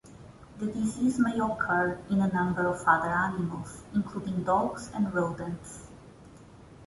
The disease may occur in a number of other animals, including dogs and rodents.